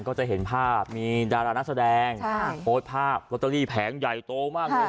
ก็จะเห็นภาพมีดารานักแสดงโพสต์ภาพลอตเตอรี่แผงใหญ่โตมากเลย